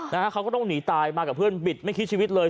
นะฮะเขาก็ต้องหนีตายมากับเพื่อนบิดไม่คิดชีวิตเลย